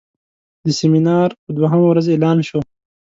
د سیمینار په دوهمه ورځ اعلان شو.